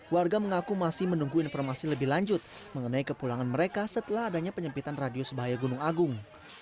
warga mengaku masih menunggu informasi lebih lanjut mengenai kepulangan mereka setelah adanya penyempitan radius bahaya gunung agung